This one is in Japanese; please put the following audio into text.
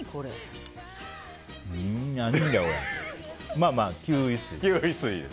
まあまあ、キウイ水です。